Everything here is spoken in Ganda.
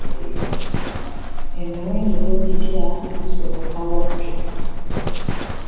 Emiwendo togitya gusoboka wattu.